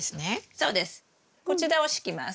そうです。